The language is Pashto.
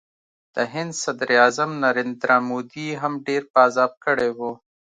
د هند صدراعظم نریندرا مودي هم ډېر په عذاب کړی و